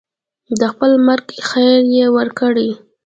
د خپل مرګ خبر یې ورکړی.